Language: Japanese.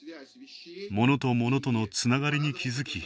物と物とのつながりに気付き